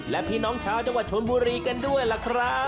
และพี่น้องชาวจังหวัดชนบุรีกันด้วยล่ะครับ